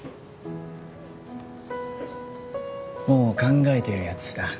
もう考えてるやつだ。